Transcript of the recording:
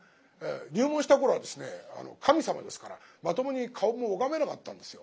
入門した頃はですね神様ですからまともに顔も拝めなかったんですよ。